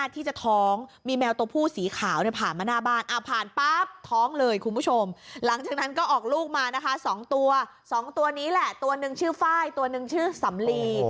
๒ตัวนี้แหละตัวนึงชื่อฝ้ายตัวนึงชื่อสำลี